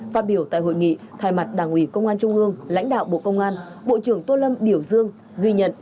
phát biểu tại hội nghị thay mặt đảng ủy công an trung ương lãnh đạo bộ công an bộ trưởng tô lâm biểu dương ghi nhận